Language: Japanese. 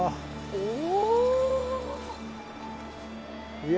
お。